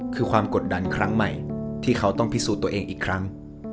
คือความกดดันครั้งใหม่ที่เขาต้องพิสูจน์ตัวเองอีกครั้ง